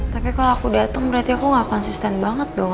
tapi kalau aku datang berarti aku gak konsisten banget dong